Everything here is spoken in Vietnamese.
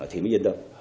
thì mới yên tâm